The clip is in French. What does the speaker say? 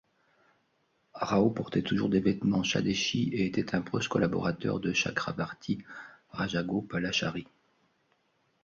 Rao portait toujours des vêtements Swadeshi et était un proche collaborateur de Chakravarti Rajagopalachari.